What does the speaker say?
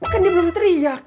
kan dia belum teriak